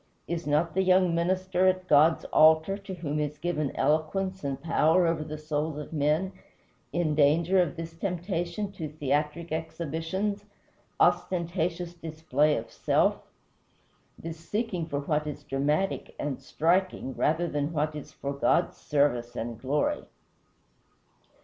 Is not the young minister at God's altar, to whom is given eloquence and power over the souls of men, in danger of this temptation to theatric exhibitions ostentatious display of self this seeking for what is dramatic and striking, rather than what is for God's service and glory?